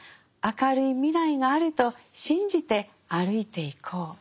明るい未来があると信じて歩いていこう。